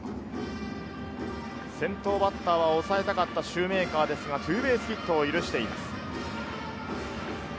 先頭バッターは抑えたかったシューメーカーですが、ツーベースヒットを許しています。